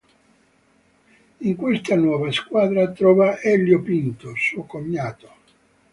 In questa nuova squadra trova Hélio Pinto, suo cognato.